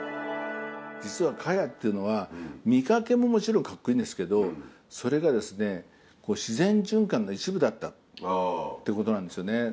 実は茅っていうのは見かけももちろんカッコいいんですけどそれが自然循環の一部だったってことなんですよね。